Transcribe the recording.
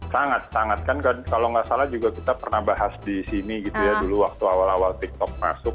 sangat sangat kan kalau nggak salah juga kita pernah bahas di sini gitu ya dulu waktu awal awal tiktok masuk